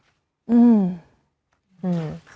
อืม